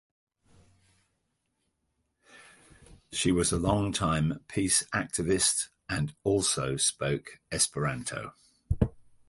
She was a longtime peace activist, and also spoke Esperanto.